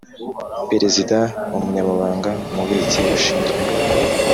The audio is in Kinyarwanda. Perezida umunyamabanga umubitsi ushinzwe